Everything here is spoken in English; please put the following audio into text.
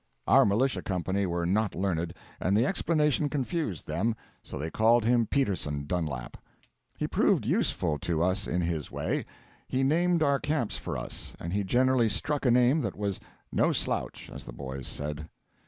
Our militia company were not learned, and the explanation confused them; so they called him Peterson Dunlap. He proved useful to us in his way; he named our camps for us, and he generally struck a name that was 'no slouch,' as the boys said.